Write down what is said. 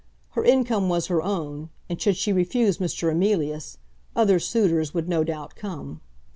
Her income was her own, and should she refuse Mr. Emilius, other suitors would no doubt come.